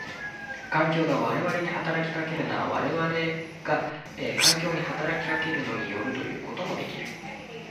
環境が我々に働きかけるのは我々が環境に働きかけるのに依るということもできる。